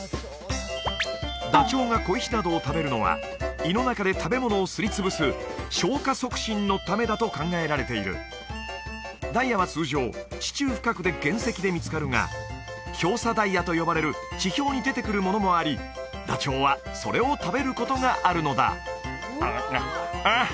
ダチョウが小石などを食べるのは胃の中で食べ物をすり潰す消化促進のためだと考えられているダイヤは通常地中深くで原石で見つかるが漂砂ダイヤと呼ばれる地表に出てくるものもありダチョウはそれを食べることがあるのだ「んんん？」